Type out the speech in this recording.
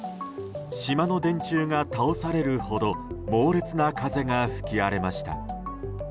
島の電柱が倒されるほど猛烈な風が吹き荒れました。